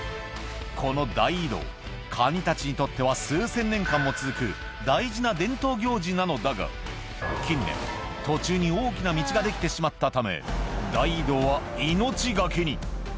この大移動、カニたちにとっては、数千年間も続く大事な伝統行事なのだが、近年、途中に大きな道が出来てしまったため、大移動は命懸けに。